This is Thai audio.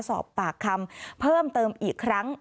สอบปากคำเพิ่มเติมอีกครั้ง